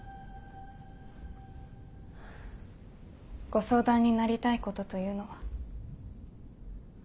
ご相談になりたいことというのは？